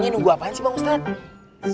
nunggu apaan sih bang ustadz